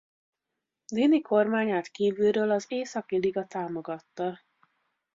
Dini kormányát kívülről az Északi Liga támogatta.